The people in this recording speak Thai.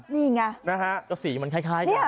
นี่ไงสีมันคล้ายกัน